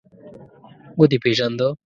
_ودې پېژانده؟